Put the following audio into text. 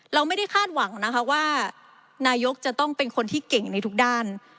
เราไม่ได้คาดหวังนะคะว่านายกจะต้องเป็นคนที่เก่งในทุกด้าน